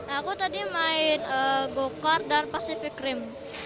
aku tadi main go kart dan pasifik rim